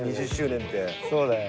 そうだよ。